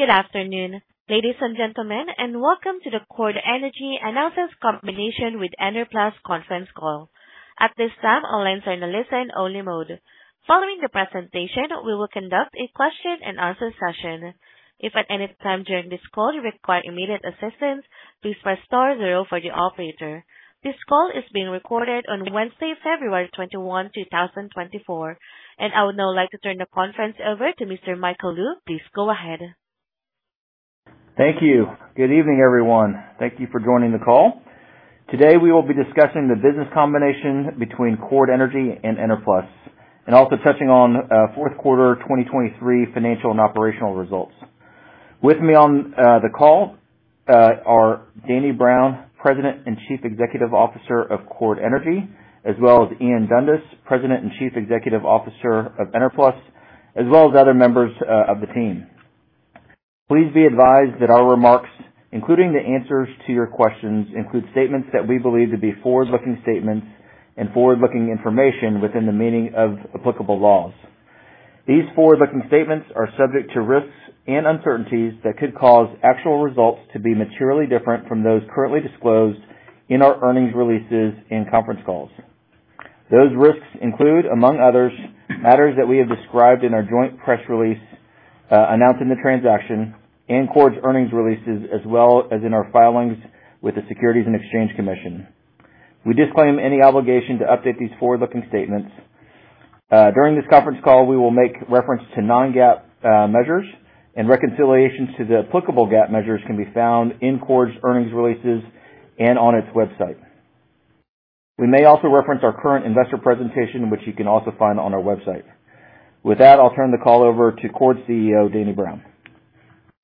Good afternoon, ladies and gentlemen, and welcome to the Chord Energy Announces Combination with Enerplus conference call. At this time, all lines are in a listen-only mode. Following the presentation, we will conduct a question-and-answer session. If at any time during this call you require immediate assistance, please press star zero for the operator. This call is being recorded on Wednesday, February 21, 2024, and I would now like to turn the conference over to Mr. Michael Lou. Please go ahead. Thank you. Good evening, everyone. Thank you for joining the call. Today we will be discussing the business combination between Chord Energy and Enerplus, and also touching on fourth quarter 2023 financial and operational results. With me on the call are Danny Brown, President and Chief Executive Officer of Chord Energy, as well as Ian Dundas, President and Chief Executive Officer of Enerplus, as well as other members of the team. Please be advised that our remarks, including the answers to your questions, include statements that we believe to be forward-looking statements and forward-looking information within the meaning of applicable laws. These forward-looking statements are subject to risks and uncertainties that could cause actual results to be materially different from those currently disclosed in our earnings releases and conference calls. Those risks include, among others, matters that we have described in our joint press release announcing the transaction and Chord's earnings releases, as well as in our filings with the Securities and Exchange Commission. We disclaim any obligation to update these forward-looking statements. During this conference call, we will make reference to non-GAAP measures, and reconciliations to the applicable GAAP measures can be found in Chord's earnings releases and on its website. We may also reference our current investor presentation, which you can also find on our website. With that, I'll turn the call over to Chord CEO Danny Brown.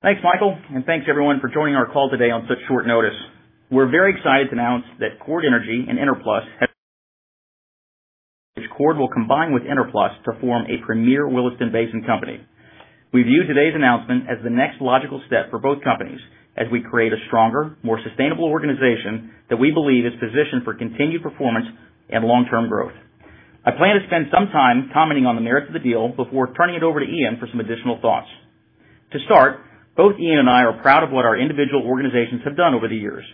Thanks, Michael, and thanks everyone for joining our call today on such short notice. We're very excited to announce that Chord Energy and Enerplus have, which Chord will combine with Enerplus, to form a premier Williston Basin company. We view today's announcement as the next logical step for both companies as we create a stronger, more sustainable organization that we believe is positioned for continued performance and long-term growth. I plan to spend some time commenting on the merits of the deal before turning it over to Ian for some additional thoughts. To start, both Ian and I are proud of what our individual organizations have done over the years.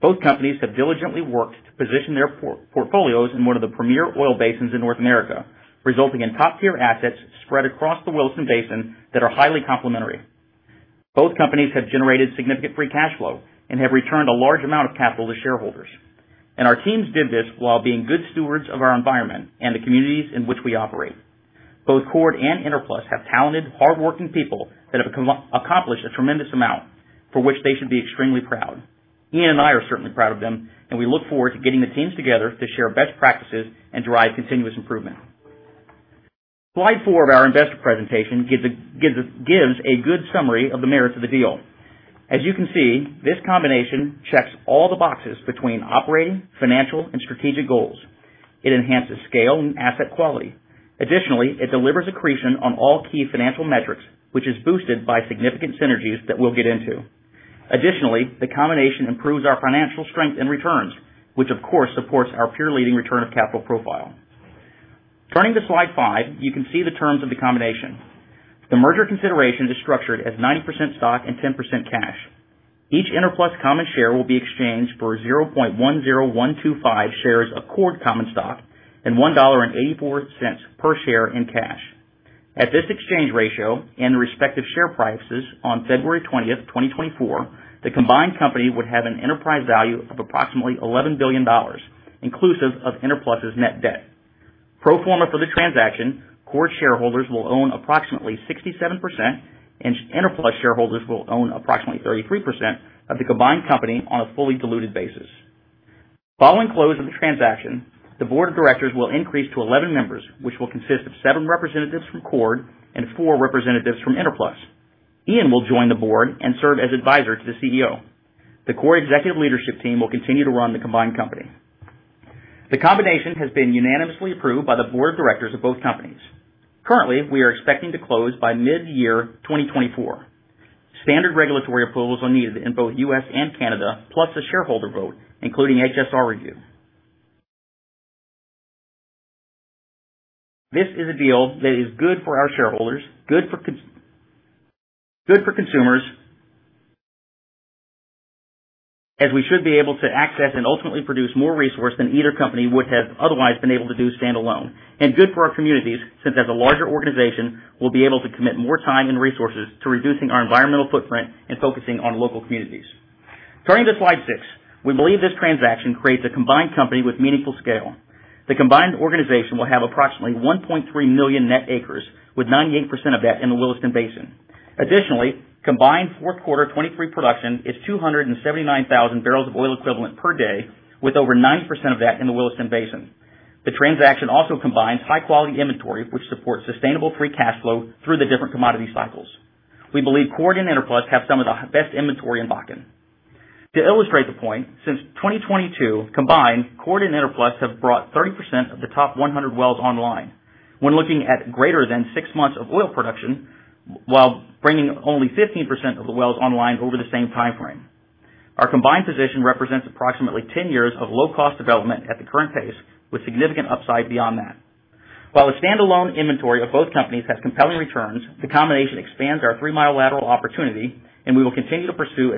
Both companies have diligently worked to position their portfolios in one of the premier oil basins in North America, resulting in top-tier assets spread across the Williston Basin that are highly complementary. Both companies have generated significant free cash flow and have returned a large amount of capital to shareholders, and our teams did this while being good stewards of our environment and the communities in which we operate. Both Chord and Enerplus have talented, hardworking people that have accomplished a tremendous amount for which they should be extremely proud. Ian and I are certainly proud of them, and we look forward to getting the teams together to share best practices and drive continuous improvement. Slide four of our investor presentation gives a good summary of the merits of the deal. As you can see, this combination checks all the boxes between operating, financial, and strategic goals. It enhances scale and asset quality. Additionally, it delivers accretion on all key financial metrics, which is boosted by significant synergies that we'll get into. Additionally, the combination improves our financial strength and returns, which, of course, supports our peer-leading return of capital profile. Turning to slide five, you can see the terms of the combination. The merger consideration is structured as 90% stock and 10% cash. Each Enerplus common share will be exchanged for 0.10125 shares of Chord common stock and $1.84 per share in cash. At this exchange ratio and the respective share prices on February 20, 2024, the combined company would have an enterprise value of approximately $11 billion, inclusive of Enerplus's net debt. Pro forma for the transaction, Chord shareholders will own approximately 67%, and Enerplus shareholders will own approximately 33% of the combined company on a fully diluted basis. Following close of the transaction, the board of directors will increase to 11 members, which will consist of seven representatives from Chord and four representatives from Enerplus. Ian will join the board and serve as advisor to the CEO. The Chord executive leadership team will continue to run the combined company. The combination has been unanimously approved by the board of directors of both companies. Currently, we are expecting to close by mid-year 2024. Standard regulatory approvals are needed in both U.S. and Canada, plus a shareholder vote, including HSR review. This is a deal that is good for our shareholders, good for consumers, as we should be able to access and ultimately produce more resource than either company would have otherwise been able to do standalone, and good for our communities since, as a larger organization, we'll be able to commit more time and resources to reducing our environmental footprint and focusing on local communities. Turning to slide 6, we believe this transaction creates a combined company with meaningful scale. The combined organization will have approximately 1.3 million net acres, with 98% of that in the Williston Basin. Additionally, combined fourth quarter 2023 production is 279,000 barrels of oil equivalent per day, with over 90% of that in the Williston Basin. The transaction also combines high-quality inventory, which supports sustainable free cash flow through the different commodity cycles. We believe Chord and Enerplus have some of the best inventory in Bakken. To illustrate the point, since 2022 combined, Chord and Enerplus have brought 30% of the top 100 wells online, when looking at greater than six months of oil production while bringing only 15% of the wells online over the same time frame. Our combined position represents approximately 10 years of low-cost development at the current pace, with significant upside beyond that. While the standalone inventory of both companies has compelling returns, the combination expands our three-mile lateral opportunity, and we will continue to pursue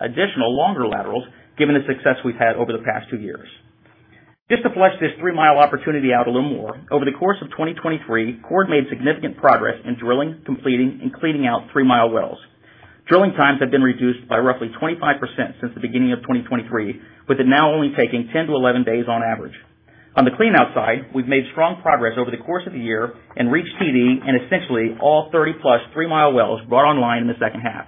additional longer laterals given the success we've had over the past two years. Just to flesh this three-mile opportunity out a little more, over the course of 2023, Chord made significant progress in drilling, completing, and cleaning out three-mile wells. Drilling times have been reduced by roughly 25% since the beginning of 2023, with it now only taking 10-11 days on average. On the clean-out side, we've made strong progress over the course of the year and reached TD in essentially all 30+ three-mile wells brought online in the second half.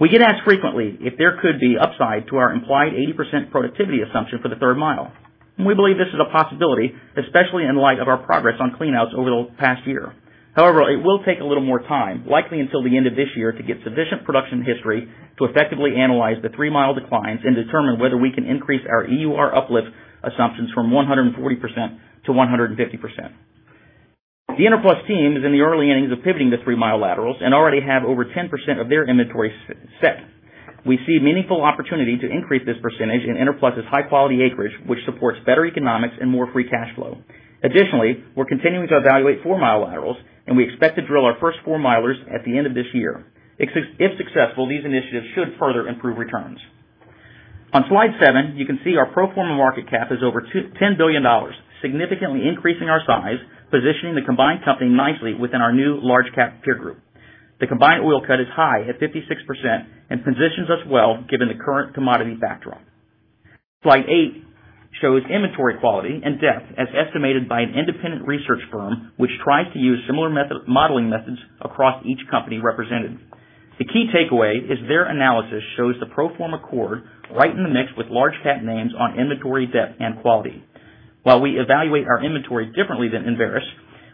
We get asked frequently if there could be upside to our implied 80% productivity assumption for the third mile, and we believe this is a possibility, especially in light of our progress on clean-outs over the past year. However, it will take a little more time, likely until the end of this year, to get sufficient production history to effectively analyze the three-mile declines and determine whether we can increase our EUR uplift assumptions from 140%-150%. The Enerplus team is in the early innings of pivoting to three-mile laterals and already have over 10% of their inventory set. We see meaningful opportunity to increase this percentage in Enerplus's high-quality acreage, which supports better economics and more free cash flow. Additionally, we're continuing to evaluate four-mile laterals, and we expect to drill our first four-milers at the end of this year. If successful, these initiatives should further improve returns. On slide seven, you can see our pro forma market cap is over $10 billion, significantly increasing our size, positioning the combined company nicely within our new large-cap peer group. The combined oil cut is high at 56% and positions us well given the current commodity backdrop. Slide eight shows inventory quality and depth as estimated by an independent research firm which tries to use similar modeling methods across each company represented. The key takeaway is their analysis shows the pro forma Chord right in the mix with large-cap names on inventory depth and quality. While we evaluate our inventory differently than Enverus,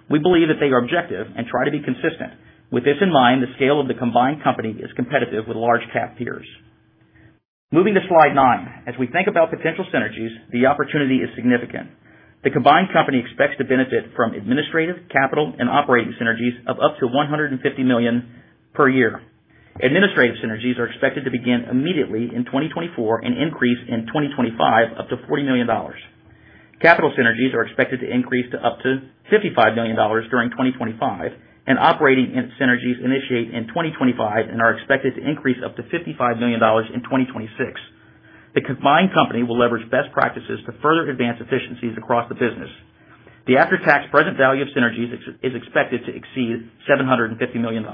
we believe that they are objective and try to be consistent. With this in mind, the scale of the combined company is competitive with large-cap peers. Moving to slide nine, as we think about potential synergies, the opportunity is significant. The combined company expects to benefit from administrative, capital, and operating synergies of up to $150 million per year. Administrative synergies are expected to begin immediately in 2024 and increase in 2025 up to $40 million. Capital synergies are expected to increase to up to $55 million during 2025, and operating synergies initiate in 2025 and are expected to increase up to $55 million in 2026. The combined company will leverage best practices to further advance efficiencies across the business. The after-tax present value of synergies is expected to exceed $750 million.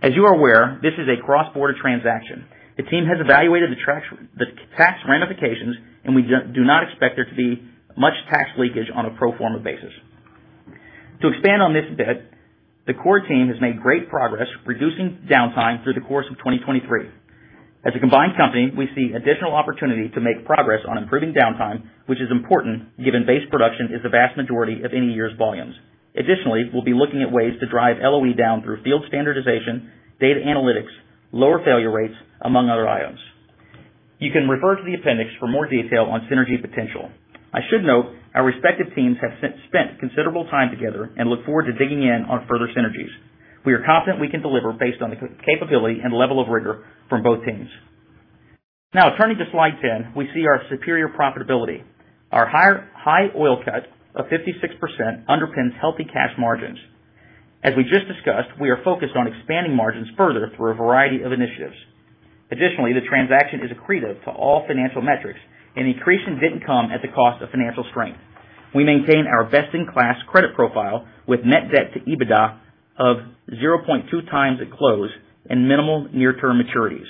As you are aware, this is a cross-border transaction. The team has evaluated the tax ramifications, and we do not expect there to be much tax leakage on a pro forma basis. To expand on this bit, the Chord team has made great progress reducing downtime through the course of 2023. As a combined company, we see additional opportunity to make progress on improving downtime, which is important given base production is the vast majority of any year's volumes. Additionally, we'll be looking at ways to drive LOE down through field standardization, data analytics, lower failure rates, among other items. You can refer to the appendix for more detail on synergy potential. I should note our respective teams have spent considerable time together and look forward to digging in on further synergies. We are confident we can deliver based on the capability and level of rigor from both teams. Now, turning to slide 10, we see our superior profitability. Our high oil cut of 56% underpins healthy cash margins. As we just discussed, we are focused on expanding margins further through a variety of initiatives. Additionally, the transaction is accretive to all financial metrics, and the accretion didn't come at the cost of financial strength. We maintain our best-in-class credit profile with net debt to EBITDA of 0.2x at close and minimal near-term maturities.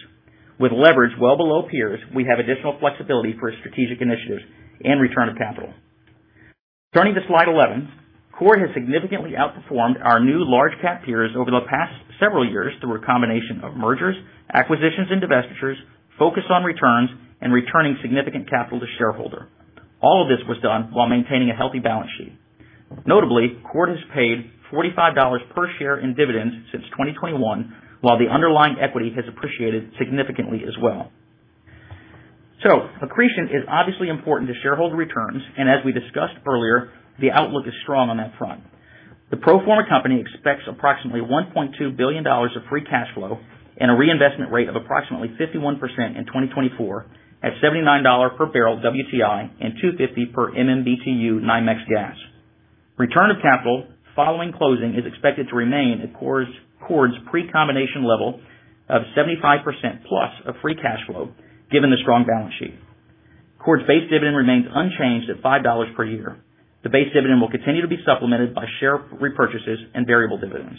With leverage well below peers, we have additional flexibility for strategic initiatives and return of capital. Turning to slide 11, Chord has significantly outperformed our new large-cap peers over the past several years through a combination of mergers, acquisitions, and divestitures, focus on returns, and returning significant capital to shareholder. All of this was done while maintaining a healthy balance sheet. Notably, Chord has paid $45 per share in dividends since 2021, while the underlying equity has appreciated significantly as well. So accretion is obviously important to shareholder returns, and as we discussed earlier, the outlook is strong on that front. The pro forma company expects approximately $1.2 billion of free cash flow and a reinvestment rate of approximately 51% in 2024 at $79 per barrel WTI and $250 per MMBtu NYMEX gas. Return of capital following closing is expected to remain at Chord's pre-combination level of 75%+ of free cash flow given the strong balance sheet. Chord's base dividend remains unchanged at $5 per year. The base dividend will continue to be supplemented by share repurchases and variable dividends.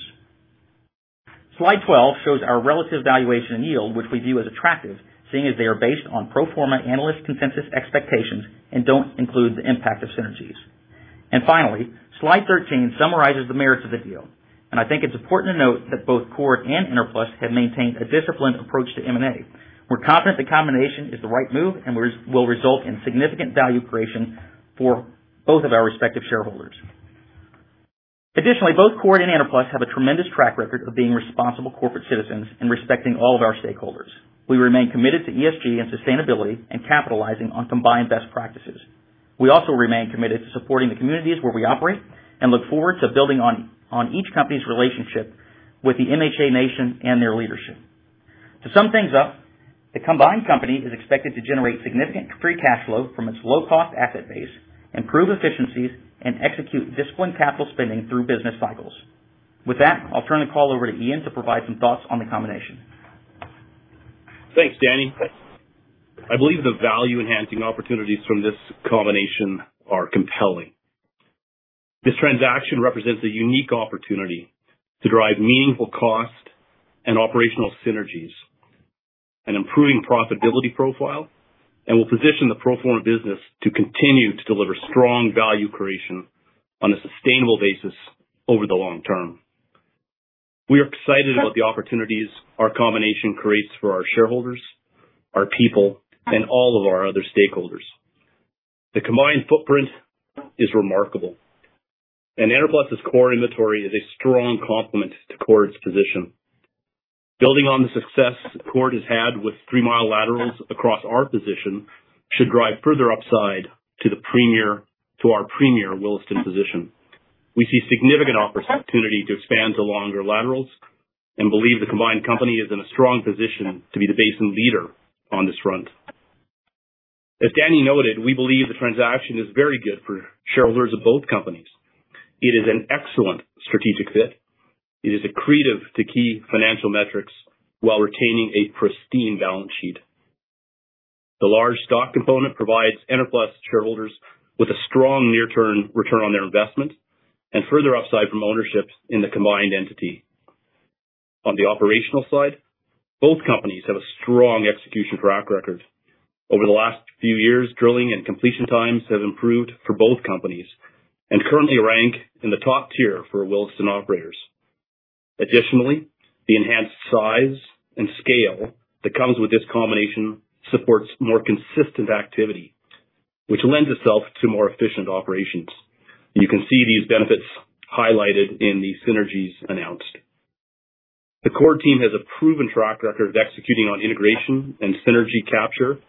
Slide 12 shows our relative valuation and yield, which we view as attractive, seeing as they are based on pro forma analyst consensus expectations and don't include the impact of synergies. Finally, Slide 13 summarizes the merits of the deal, and I think it's important to note that both Chord and Enerplus have maintained a disciplined approach to M&A. We're confident the combination is the right move and will result in significant value creation for both of our respective shareholders. Additionally, both Chord and Enerplus have a tremendous track record of being responsible corporate citizens and respecting all of our stakeholders. We remain committed to ESG and sustainability and capitalizing on combined best practices. We also remain committed to supporting the communities where we operate and look forward to building on each company's relationship with the MHA Nation and their leadership. To sum things up, the combined company is expected to generate significant free cash flow from its low-cost asset base, improve efficiencies, and execute disciplined capital spending through business cycles. With that, I'll turn the call over to Ian to provide some thoughts on the combination. Thanks, Danny. I believe the value-enhancing opportunities from this combination are compelling. This transaction represents a unique opportunity to drive meaningful cost and operational synergies, an improving profitability profile, and will position the pro forma business to continue to deliver strong value creation on a sustainable basis over the long term. We are excited about the opportunities our combination creates for our shareholders, our people, and all of our other stakeholders. The combined footprint is remarkable, and Enerplus's core inventory is a strong complement to Chord's position. Building on the success Chord has had with three-mile laterals across our position should drive further upside to our premier Williston position. We see significant opportunity to expand to longer laterals and believe the combined company is in a strong position to be the basin leader on this front. As Danny noted, we believe the transaction is very good for shareholders of both companies. It is an excellent strategic fit. It is accretive to key financial metrics while retaining a pristine balance sheet. The large stock component provides Enerplus shareholders with a strong near-term return on their investment and further upside from ownership in the combined entity. On the operational side, both companies have a strong execution track record. Over the last few years, drilling and completion times have improved for both companies and currently rank in the top tier for Williston operators. Additionally, the enhanced size and scale that comes with this combination supports more consistent activity, which lends itself to more efficient operations. You can see these benefits highlighted in the synergies announced. The Chord team has a proven track record of executing on integration and synergy capture,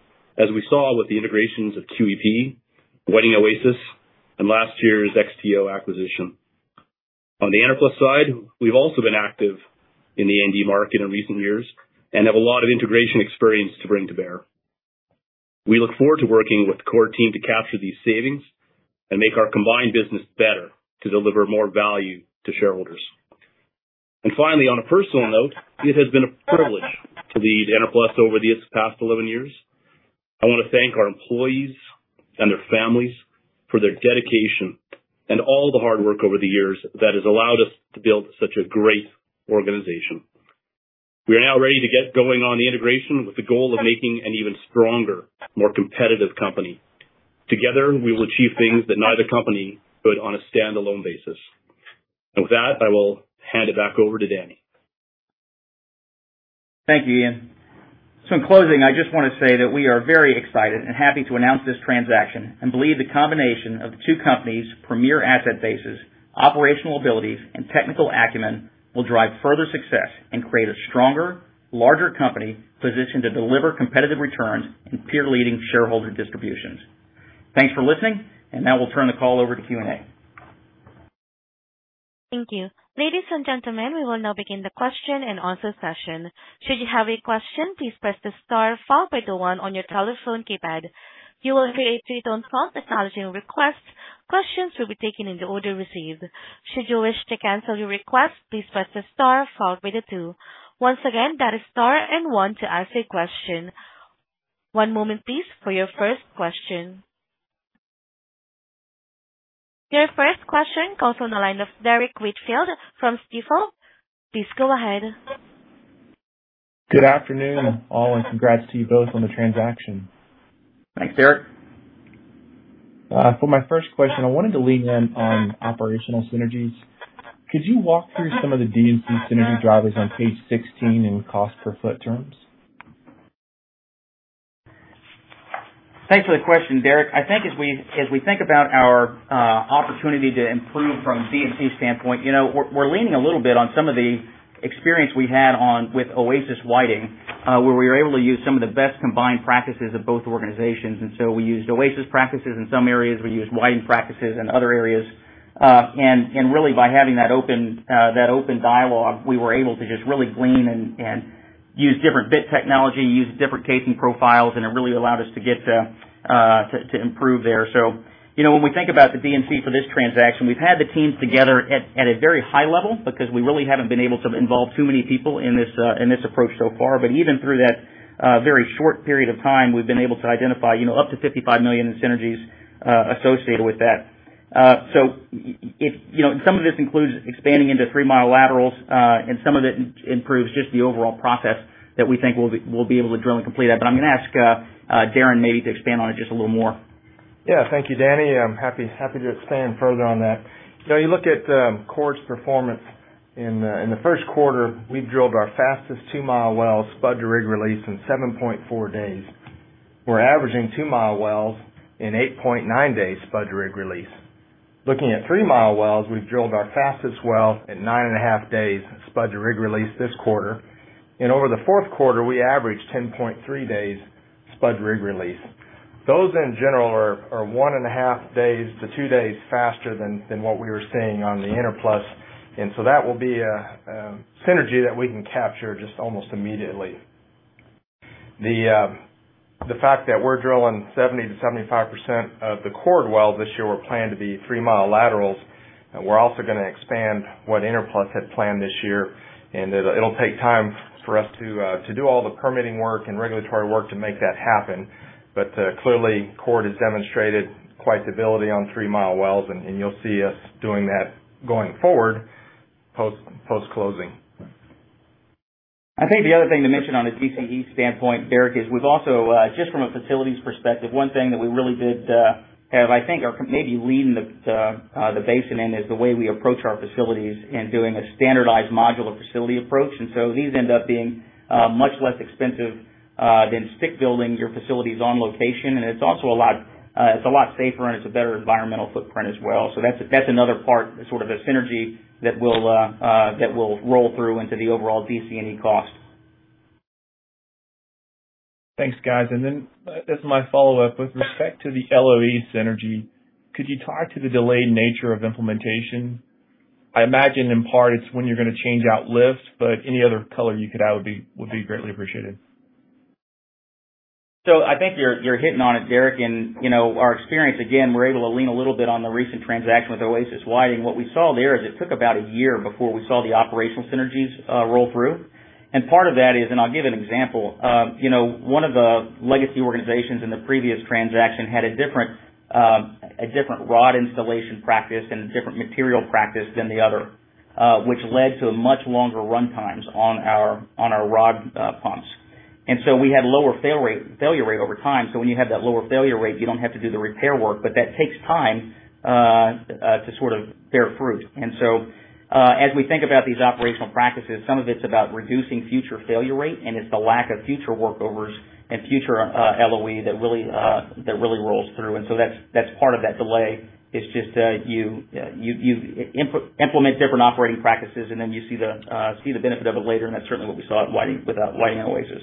as we saw with the integrations of QEP, Whiting Oasis, and last year's XTO acquisition. On the Enerplus side, we've also been active in the A&D market in recent years and have a lot of integration experience to bring to bear. We look forward to working with the Chord team to capture these savings and make our combined business better to deliver more value to shareholders. And finally, on a personal note, it has been a privilege to lead Enerplus over the past 11 years. I want to thank our employees and their families for their dedication and all the hard work over the years that has allowed us to build such a great organization. We are now ready to get going on the integration with the goal of making an even stronger, more competitive company. Together, we will achieve things that neither company could on a standalone basis. With that, I will hand it back over to Danny. Thank you, Ian. So in closing, I just want to say that we are very excited and happy to announce this transaction and believe the combination of the two companies' premier asset bases, operational abilities, and technical acumen will drive further success and create a stronger, larger company positioned to deliver competitive returns in peer-leading shareholder distributions. Thanks for listening, and now we'll turn the call over to Q&A. Thank you. Ladies and gentlemen, we will now begin the question and answer session. Should you have a question, please press the star followed by the one on your telephone keypad. You will hear a three-tone call technology request. Questions will be taken in the order received. Should you wish to cancel your request, please press the star followed by the two. Once again, that is star and one to ask a question. One moment, please, for your first question. Your first question calls on the line of Derrick Whitfield from Stifel. Please go ahead. Good afternoon all, and congrats to you both on the transaction. Thanks, Derrick. For my first question, I wanted to lean in on operational synergies. Could you walk through some of the D&C synergy drivers on page 16 in cost per foot terms? Thanks for the question, Derrick. I think as we think about our opportunity to improve from D&C standpoint, we're leaning a little bit on some of the experience we had with Oasis Whiting, where we were able to use some of the best combined practices of both organizations. And so we used Oasis practices in some areas. We used Whiting practices in other areas. And really, by having that open dialogue, we were able to just really glean and use different bit technology, use different casing profiles, and it really allowed us to get to improve there. So when we think about the D&C for this transaction, we've had the teams together at a very high level because we really haven't been able to involve too many people in this approach so far. But even through that very short period of time, we've been able to identify up to $55 million in synergies associated with that. So some of this includes expanding into three-mile laterals, and some of it improves just the overall process that we think we'll be able to drill and complete that. But I'm going to ask Darrin maybe to expand on it just a little more. Yeah, thank you, Danny. I'm happy to expand further on that. You look at Chord's performance in the first quarter, we've drilled our fastest two-mile well spud to rig release in 7.4 days. We're averaging two-mile wells in 8.9 days spud to rig release. Looking at three-mile wells, we've drilled our fastest well at 9.5 days spud to rig release this quarter. And over the fourth quarter, we averaged 10.3 days spud to rig release. Those, in general, are 1.5 days to 2 days faster than what we were seeing on the Enerplus. And so that will be a synergy that we can capture just almost immediately. The fact that we're drilling 70%-75% of the Chord wells this year were planned to be three-mile laterals. We're also going to expand what Enerplus had planned this year. It'll take time for us to do all the permitting work and regulatory work to make that happen. But clearly, Chord has demonstrated quite the ability on three-mile wells, and you'll see us doing that going forward post-closing. I think the other thing to mention on a DC&E standpoint, Derrick, is we've also, just from a facilities perspective, one thing that we really did have, I think, or maybe leading the basin in, is the way we approach our facilities in doing a standardized modular facility approach. And so these end up being much less expensive than stick building your facilities on location. And it's also a lot safer, and it's a better environmental footprint as well. So that's another part, sort of a synergy, that will roll through into the overall DC&E cost. Thanks, guys. And then as my follow-up, with respect to the LOE synergy, could you talk to the delayed nature of implementation? I imagine in part it's when you're going to change out lifts, but any other color you could add would be greatly appreciated. So I think you're hitting on it, Derrick. And our experience, again, we're able to lean a little bit on the recent transaction with Oasis Petroleum. What we saw there is it took about a year before we saw the operational synergies roll through. And part of that is, and I'll give an example, one of the legacy organizations in the previous transaction had a different rod installation practice and a different material practice than the other, which led to much longer runtimes on our rod pumps. And so we had lower failure rate over time. So when you have that lower failure rate, you don't have to do the repair work, but that takes time to sort of bear fruit. As we think about these operational practices, some of it's about reducing future failure rate, and it's the lack of future workovers and future LOE that really rolls through. That's part of that delay; it's just you implement different operating practices, and then you see the benefit of it later. That's certainly what we saw with Whiting and Oasis.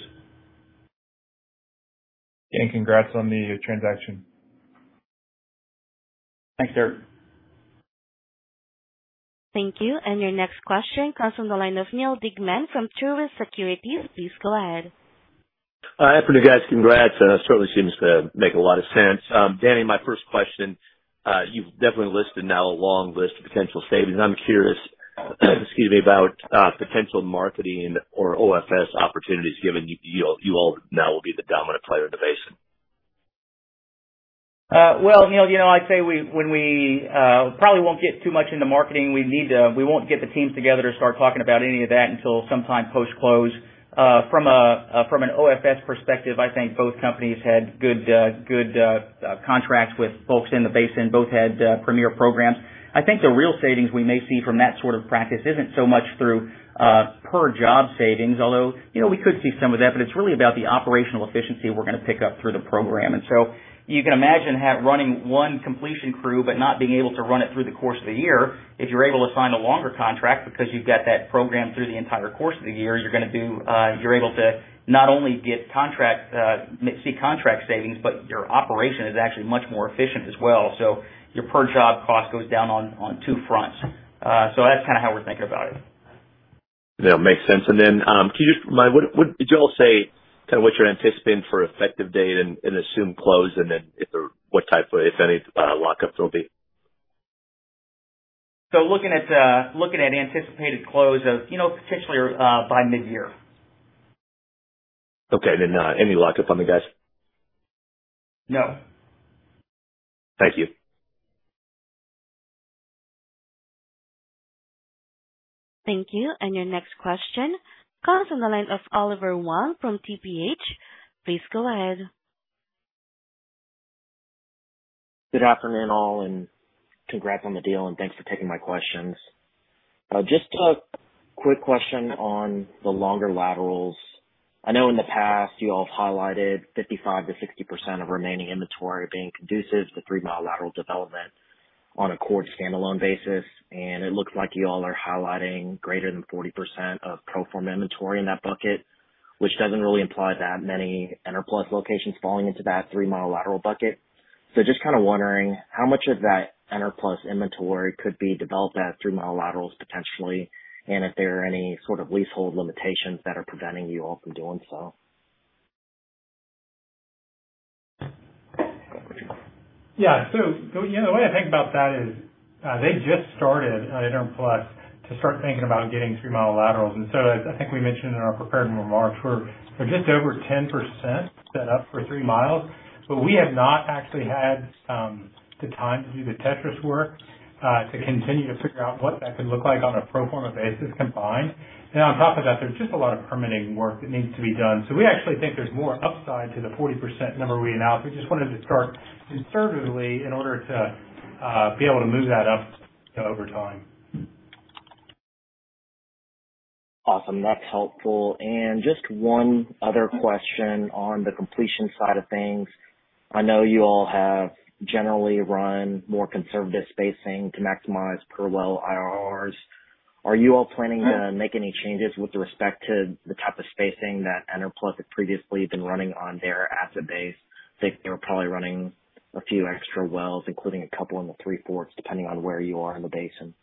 Danny, congrats on the transaction. Thanks, Derrick. Thank you. Your next question comes from the line of Neal Dingmann from Truist Securities. Please go ahead. After you guys, congrats. It certainly seems to make a lot of sense. Danny, my first question, you've definitely listed now a long list of potential savings. I'm curious, excuse me, about potential marketing or OFS opportunities, given you all now will be the dominant player in the basin. Well, Neil, I'd say when we probably won't get too much into marketing. We won't get the teams together to start talking about any of that until sometime post-close. From an OFS perspective, I think both companies had good contracts with folks in the basin. Both had premier programs. I think the real savings we may see from that sort of practice isn't so much through per job savings, although we could see some of that. But it's really about the operational efficiency we're going to pick up through the program. And so you can imagine running one completion crew but not being able to run it through the course of the year. If you're able to sign a longer contract because you've got that program through the entire course of the year, you're able to not only see contract savings, but your operation is actually much more efficient as well. So your per job cost goes down on two fronts. So that's kind of how we're thinking about it. Yeah, makes sense. And then can you just remind me, would you all say kind of what your anticipated for effective date and assume close and then what type, if any, lockups there'll be? Looking at anticipated close of potentially by mid-year. Okay. And then any lockup on the guys? No. Thank you. Thank you. Your next question comes on the line of Oliver Huang from TPH. Please go ahead. Good afternoon all, and congrats on the deal, and thanks for taking my questions. Just a quick question on the longer laterals. I know in the past, you all have highlighted 55%-60% of remaining inventory being conducive to three-mile lateral development on a Chord standalone basis. And it looks like you all are highlighting greater than 40% of pro forma inventory in that bucket, which doesn't really imply that many Enerplus locations falling into that three-mile lateral bucket. So just kind of wondering, how much of that Enerplus inventory could be developed at three-mile laterals potentially, and if there are any sort of leasehold limitations that are preventing you all from doing so? Yeah. So the way I think about that is they just started at Enerplus to start thinking about getting three-mile laterals. And so as I think we mentioned in our prepared remarks, we're just over 10% set up for three miles. But we have not actually had the time to do the Tetris work to continue to figure out what that could look like on a pro forma basis combined. And on top of that, there's just a lot of permitting work that needs to be done. So we actually think there's more upside to the 40% number we announced. We just wanted to start conservatively in order to be able to move that up over time. Awesome. That's helpful. And just one other question on the completion side of things. I know you all have generally run more conservative spacing to maximize per well IRRs. Are you all planning to make any changes with respect to the type of spacing that Enerplus had previously been running on their asset base? I think they were probably running a few extra wells, including a couple in the Three Forks, depending on where you are in the basin.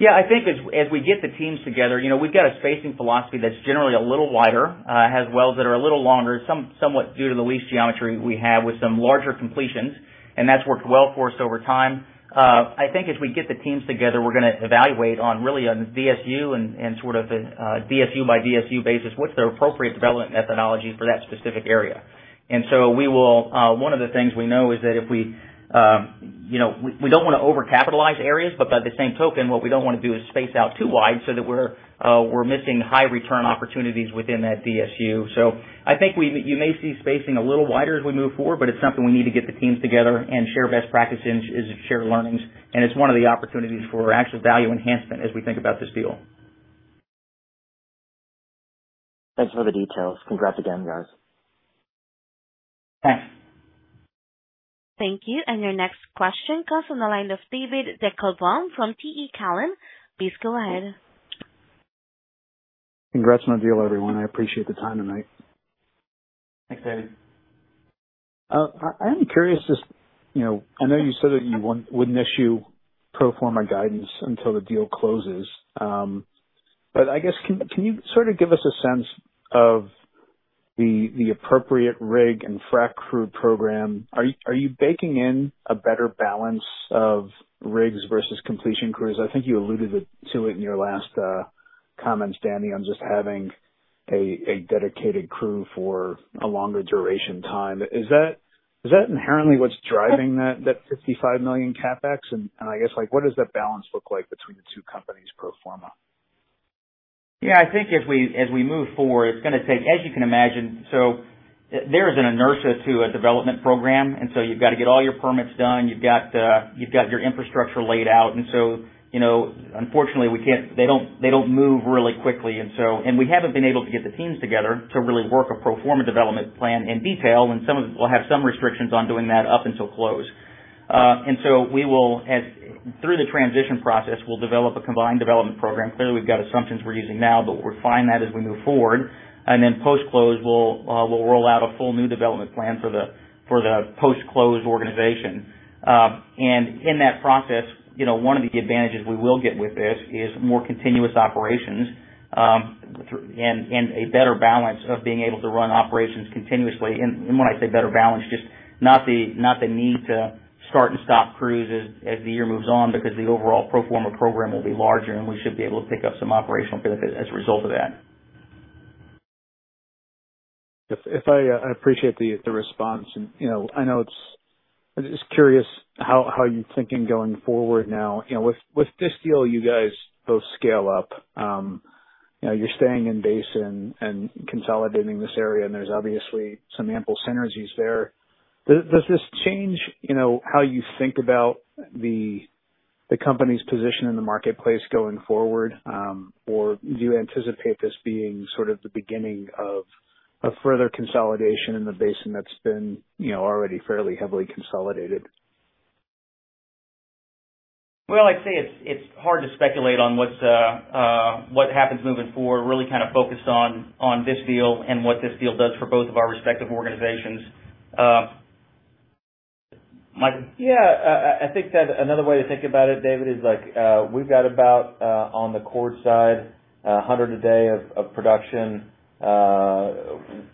Yeah, I think as we get the teams together, we've got a spacing philosophy that's generally a little wider, has wells that are a little longer, somewhat due to the lease geometry we have with some larger completions. And that's worked well for us over time. I think as we get the teams together, we're going to evaluate really on DSU and sort of a DSU-by-DSU basis, what's the appropriate development methodology for that specific area. And so one of the things we know is that if we don't want to overcapitalize areas, but by the same token, what we don't want to do is space out too wide so that we're missing high return opportunities within that DSU. I think you may see spacing a little wider as we move forward, but it's something we need to get the teams together and share best practices and share learnings. It's one of the opportunities for actual value enhancement as we think about this deal. Thanks for the details. Congrats again, guys. Thanks. Thank you. And your next question comes on the line of David Deckelbaum from TD Cowen. Please go ahead. Congrats on the deal, everyone. I appreciate the time tonight. Thanks, David. I am curious. Just, I know you said that you wouldn't issue pro forma guidance until the deal closes. But I guess, can you sort of give us a sense of the appropriate rig and frac crew program? Are you baking in a better balance of rigs versus completion crews? I think you alluded to it in your last comments, Danny, on just having a dedicated crew for a longer duration time. Is that inherently what's driving that $55 million CapEx? And I guess, what does that balance look like between the two companies, pro forma? Yeah, I think as we move forward, it's going to take, as you can imagine, so there is an inertia to a development program. And so you've got to get all your permits done. You've got your infrastructure laid out. And so unfortunately, they don't move really quickly. And we haven't been able to get the teams together to really work a pro forma development plan in detail. And some of them will have some restrictions on doing that up until close. And so through the transition process, we'll develop a combined development program. Clearly, we've got assumptions we're using now, but we'll refine that as we move forward. And then post-close, we'll roll out a full new development plan for the post-close organization. In that process, one of the advantages we will get with this is more continuous operations and a better balance of being able to run operations continuously. When I say better balance, just not the need to start and stop crews as the year moves on because the overall pro forma program will be larger, and we should be able to pick up some operational benefit as a result of that. I appreciate the response. I know it's just curious how you're thinking going forward now. With this deal, you guys both scale up. You're staying in basin and consolidating this area, and there's obviously some ample synergies there. Does this change how you think about the company's position in the marketplace going forward? Or do you anticipate this being sort of the beginning of further consolidation in the basin that's been already fairly heavily consolidated? Well, I'd say it's hard to speculate on what happens moving forward, really kind of focused on this deal and what this deal does for both of our respective organizations. Michael? Yeah. I think that another way to think about it, David, is we've got about, on the Chord side, 100 a day of production.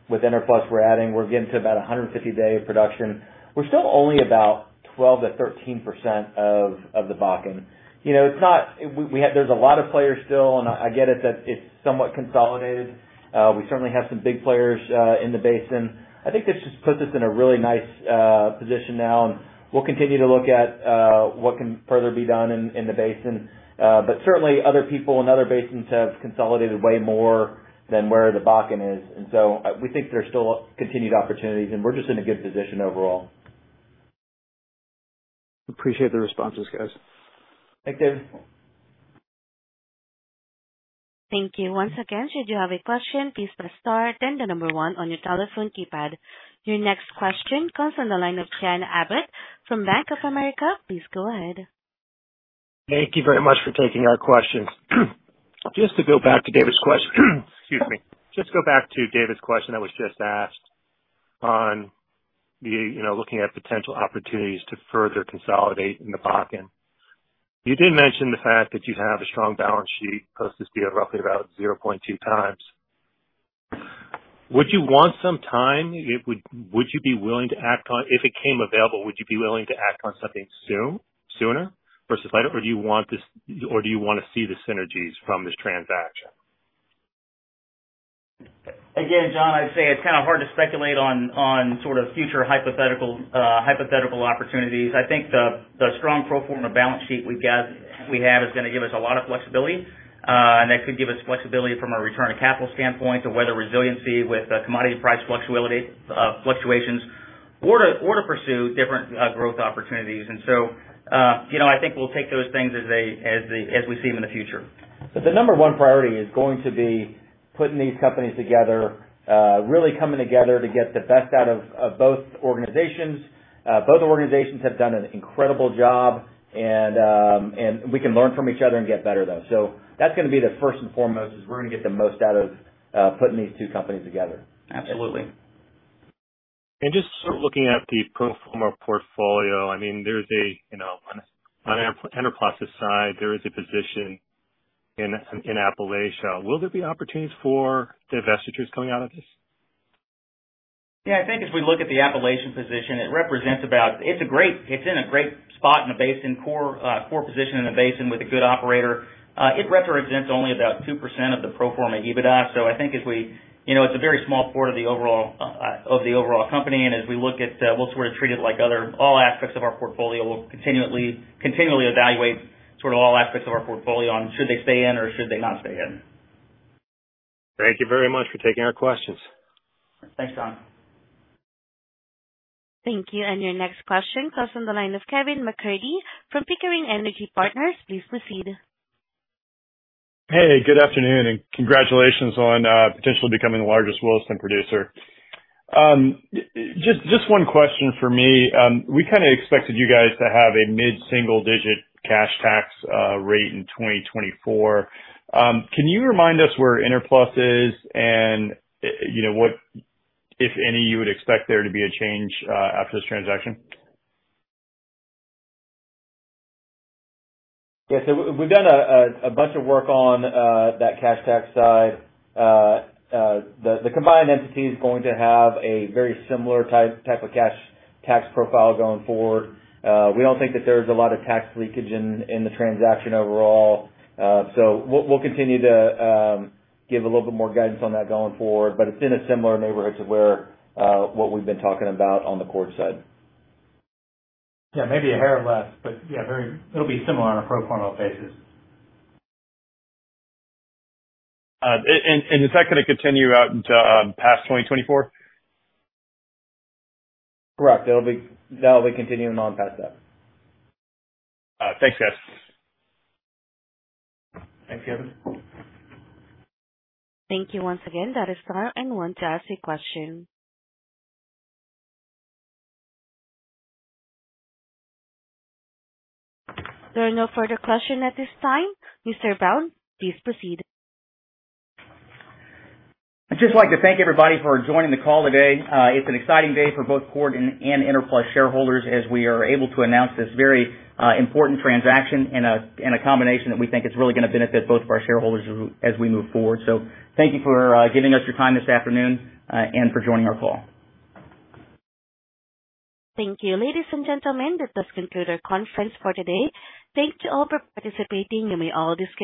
With Enerplus, we're getting to about 150 a day of production. We're still only about 12%-13% of the Bakken. There's a lot of players still, and I get it that it's somewhat consolidated. We certainly have some big players in the basin. I think this just puts us in a really nice position now. And we'll continue to look at what can further be done in the basin. But certainly, other people in other basins have consolidated way more than where the Bakken is. And so we think there's still continued opportunities, and we're just in a good position overall. Appreciate the responses, guys. Thanks, David. Thank you. Once again, should you have a question, please press star and the number one on your telephone keypad. Your next question comes on the line of John Abbott from Bank of America. Please go ahead. Thank you very much for taking our questions. Just to go back to David's question, excuse me. Just to go back to David's question that was just asked on looking at potential opportunities to further consolidate in the Bakken, you did mention the fact that you have a strong balance sheet post this deal roughly about 0.2x. Would you want some time? Would you be willing to act on if it came available, would you be willing to act on something sooner versus later? Or do you want this or do you want to see the synergies from this transaction? Again, John, I'd say it's kind of hard to speculate on sort of future hypothetical opportunities. I think the strong pro forma balance sheet we have is going to give us a lot of flexibility. And that could give us flexibility from a return-to-capital standpoint to weather resiliency with commodity price fluctuations or to pursue different growth opportunities. And so I think we'll take those things as we see them in the future. The number one priority is going to be putting these companies together, really coming together to get the best out of both organizations. Both organizations have done an incredible job, and we can learn from each other and get better, though. That's going to be the first and foremost, is we're going to get the most out of putting these two companies together. Absolutely. Just sort of looking at the pro forma portfolio, I mean, there's one on Enerplus's side, there is a position in Appalachia. Will there be opportunities for divestitures coming out of this? Yeah, I think if we look at the Appalachian position, it represents about, it's in a great spot in the basin, core position in the basin with a good operator. It represents only about 2% of the pro forma EBITDA. So I think as we, it's a very small part of the overall company. And as we look at, we'll sort of treat it like other all aspects of our portfolio. We'll continually evaluate sort of all aspects of our portfolio on should they stay in or should they not stay in. Thank you very much for taking our questions. Thanks, John. Thank you. And your next question comes on the line of Kevin MacCurdy from Pickering Energy Partners. Please proceed. Hey, good afternoon, and congratulations on potentially becoming the largest Williston producer. Just one question for me. We kind of expected you guys to have a mid-single-digit cash tax rate in 2024. Can you remind us where Enerplus is and what, if any, you would expect there to be a change after this transaction? Yeah. So we've done a bunch of work on that cash tax side. The combined entity is going to have a very similar type of cash tax profile going forward. We don't think that there's a lot of tax leakage in the transaction overall. So we'll continue to give a little bit more guidance on that going forward. But it's in a similar neighborhood to what we've been talking about on the Chord side. Yeah, maybe a hair less. But yeah, it'll be similar on a pro forma basis. Is that going to continue out past 2024? Correct. That'll be continuing on past that. Thanks, guys. Thanks, Kevin. Thank you once again. Press star and one to ask a question. There are no further questions at this time. Mr. Brown, please proceed. I'd just like to thank everybody for joining the call today. It's an exciting day for both Chord and Enerplus shareholders as we are able to announce this very important transaction in a combination that we think is really going to benefit both of our shareholders as we move forward. Thank you for giving us your time this afternoon and for joining our call. Thank you, ladies and gentlemen. This concludes our conference for today. Thank you all for participating. You may all disconnect.